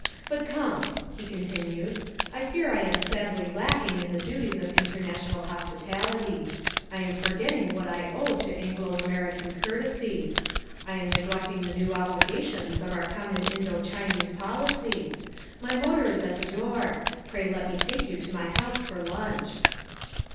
But come," he continued, "I fear I am sadly lacking in the duties of international hospitality. I am forgetting what I owe to Anglo American courtesy. I am neglecting the new obligations of our common Indo Chinese policy. My motor is at the door. Pray let me take you to my house to lunch."